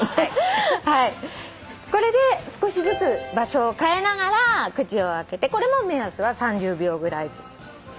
これで少しずつ場所を変えながら口を開けてこれも目安は３０秒ぐらいずつ。